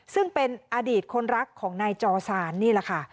ซึ่งเป็นอดีตคนรักของนายจอซานนี่แหละค่ะ